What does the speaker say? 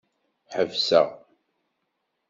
Ḥebseɣ.